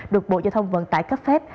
được bộ giao thông vận tải cấp phép